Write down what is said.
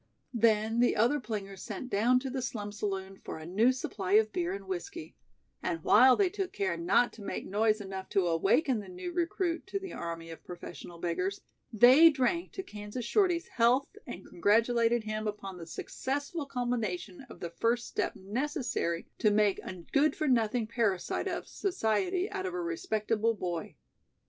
Then the other plingers sent down to the slum saloon for a new supply of beer and "whiskey", and while they took care not to make noise enough to awaken the new recruit to the army of professional beggars, they drank to Kansas Shorty's health and congratulated him upon the successful culmination of the first step necessary to make a good for nothing parasite of society out of a respectable boy.